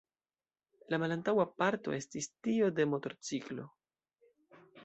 La malantaŭa parto estis tio de motorciklo.